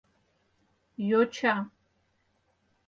Йоча